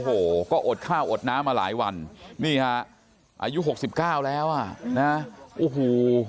โอ้โหก็อดข้าวอดน้ำมาหลายวันนี่ฮะอายุหกสิบเก้าแล้วอ่ะนะโอ้โห